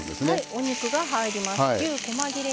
お肉が入りました。